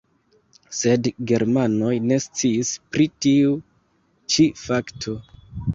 Sed germanoj ne sciis pri tiu ĉi fakto.